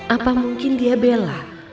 apa mungkin dia bella